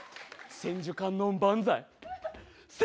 千手観音万歳。